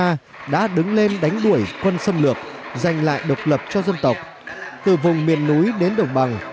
quân và dân ta đã đứng lên đánh đuổi quân xâm lược giành lại độc lập cho dân tộc từ vùng miền núi đến đồng bằng